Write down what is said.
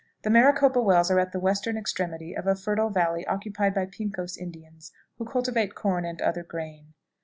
The Maricopa Wells are at the western extremity of a fertile valley occupied by Pincos Indians, who cultivate corn and other grain.